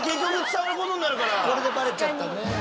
これでバレちゃったね。